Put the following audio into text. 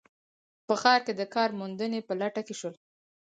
په ښار کې د کار موندنې په لټه کې شول